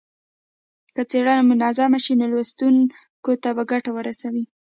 که څېړنه منظمه شي نو لوستونکو ته به ګټه ورسوي.